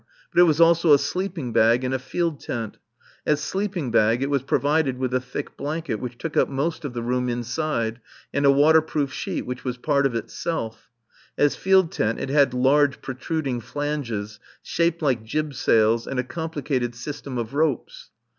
But it was also a sleeping bag and a field tent. As sleeping bag, it was provided with a thick blanket which took up most of the room inside, and a waterproof sheet which was part of itself. As field tent, it had large protruding flanges, shaped like jib sails, and a complicated system of ropes.